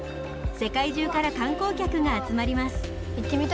世界中から観光客が集まります。